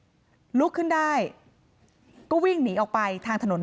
นายพิรายุนั่งอยู่ตรงบันไดบ้านนี่นะคะบ้านอยู่ติดกันแบบนี้นะคะ